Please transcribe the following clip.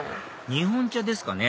日本茶ですかね？